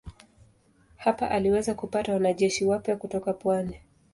Hapa aliweza kupata wanajeshi wapya kutoka pwani.